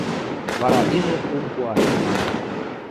Вара ижӹ пум пуат, манеш.